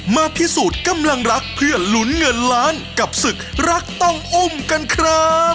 มาพิสูจน์กำลังรักเพื่อลุ้นเงินล้านกับศึกรักต้องอุ้มกันครับ